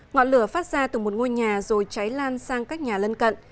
ngọn lửa phát ra từ một ngôi nhà rồi cháy lan sang các nhà lân cận